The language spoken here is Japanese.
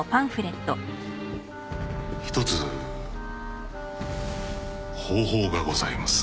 一つ方法がございます。